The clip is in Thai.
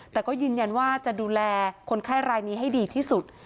แต่ก็ยืนยันว่าจะดูแลคนไข้รายนี้ให้ดีที่สุด